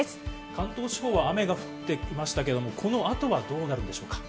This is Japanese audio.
関東地方は雨が降ってましたけど、この後はどうなるんでしょうか？